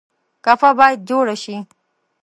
ګپه باید جوړه شي.